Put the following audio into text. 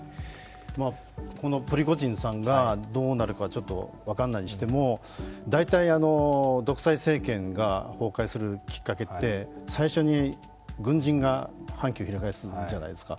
このプリゴジンさんがどうなるか分からないにしても、大体、独裁政権が崩壊するきっかけって、最初に軍人が反旗を翻すじゃないですか。